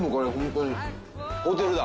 ホテルだ。